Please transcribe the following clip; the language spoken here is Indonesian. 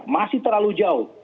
masih terlalu jauh